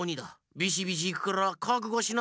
ビシビシいくからかくごしな！